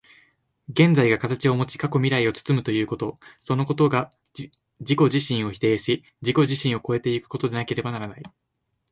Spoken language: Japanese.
現在が形をもち、過去未来を包むということ、そのことが自己自身を否定し、自己自身を越え行くことでなければならない。